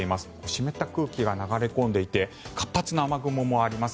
湿った空気が流れ込んでいて活発な雨雲もあります。